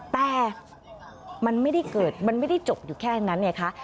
แต่มันไม่ได้เกิดมันไม่ได้จบอยู่แค่นั้นไงคะ